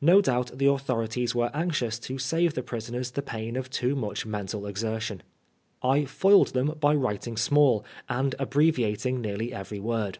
No doubt the authorities were anxious to «ave the prisoners ^e pain of too much mental exertion. I foiled them by writing small, and abbreviating nearly every word.